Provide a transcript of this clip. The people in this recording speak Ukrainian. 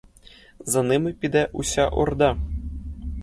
За ними піде уся орда.